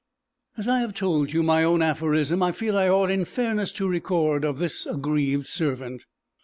As I have told you my own aphorism I feel I ought in fairness to record that of this aggrieved servant.